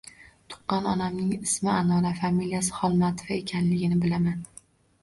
Tuqqan onamning ismi – Anora, familiyasi Xolmatova ekanligini bilaman.